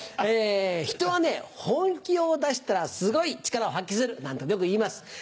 人は本気を出したらすごい力を発揮するなんてよく言います。